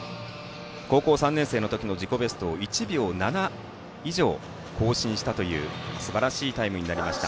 高校３年生の時の自己ベストを１秒７以上、更新したというすばらしいタイムになりました。